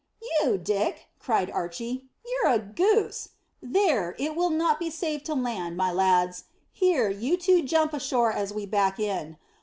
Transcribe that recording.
"You Dick," cried Archy, "you're a goose! There, it will not be safe to land, my lads. Here, you two jump ashore as we back in.